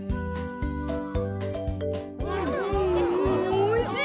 おいしい。